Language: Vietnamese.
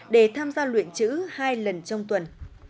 để tham gia luyện chữ hai lần trong tuần